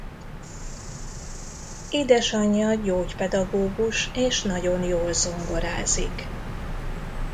Édesanyja gyógypedagógus és nagyon jól zongorázik.